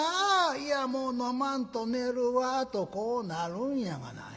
いやもう飲まんと寝るわ』とこうなるんやがな。